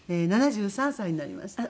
７３歳になりました。